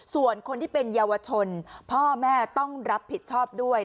ส่วนคนที่เป็นเยาวชนพ่อแม่ต้องรับผิดชอบด้วย